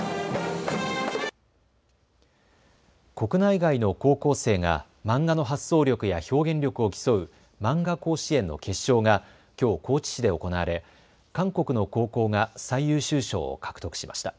国内外の高校生が漫画の発想力や表現力を競う、まんが甲子園の決勝がきょう高知市で行われ韓国の高校が最優秀賞を獲得しました。